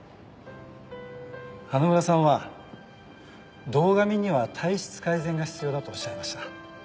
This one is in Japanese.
花村さんは堂上には体質改善が必要だとおっしゃいました。